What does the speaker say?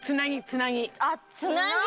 あつなぎ？